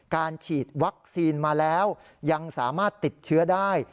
ฉีดวัคซีนมาแล้วยังสามารถติดเชื้อได้